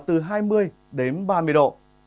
từ hai mươi đến ba mươi độ